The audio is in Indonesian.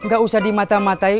gak usah dimata matai